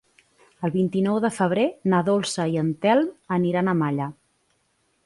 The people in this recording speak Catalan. El vint-i-nou de febrer na Dolça i en Telm aniran a Malla.